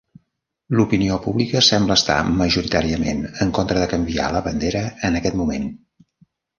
L'opinió pública sembla estar majoritàriament en contra de canviar la bandera en aquest moment.